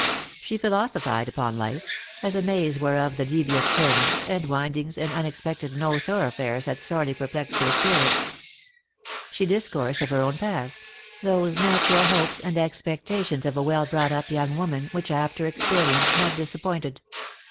She philosophised upon life— as a maze whereof the devious turnings, and windings, and unexpected no thorough fares had sorely perplexed her spirit. She discoursed of her own past — those natural hopes and expectations of a well brought up young woman which after experience had disap pointed.